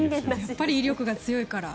やっぱり威力が強いから。